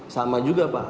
sama juga pak